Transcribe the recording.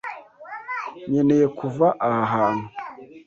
Nkeneye kuva aha hantu.